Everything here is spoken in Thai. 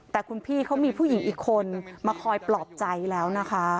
แต่คุณพี่เขามีผู้หญิงอีกคนมาคอยปลอบใจแล้วนะคะ